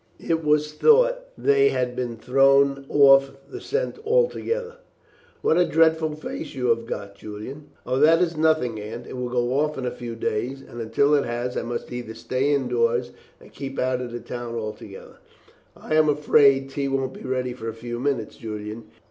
It was thought they had been thrown off the scent altogether." "What a dreadful face you have got, Julian!" "Oh, that is nothing, Aunt; it will go off in a few days, and until it has I must either stay indoors or keep out of the town altogether." "I am afraid tea won't be ready for a few minutes, Julian.